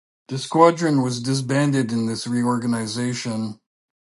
The squadron was disbanded in this reorganization.